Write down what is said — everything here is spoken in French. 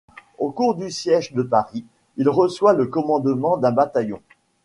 Au cours du siège de Paris, il reçoit le commandement d'un bataillon.